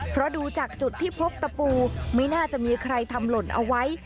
เพราะดูจากจุดที่พบตะปูไม่น่าจะมีใครทำหล่นเอาไว้